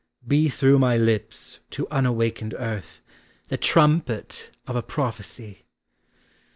Be through my lips to unawakened earth The trumpet of a prophecy!